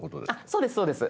そうですそうです。